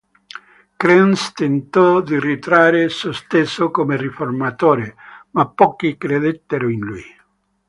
Krenz tentò di ritrarre se stesso come riformatore, ma pochi credettero in lui.